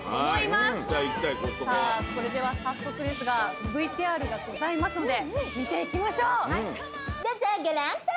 さあそれでは早速ですがＶＴＲがございますので見ていきましょう。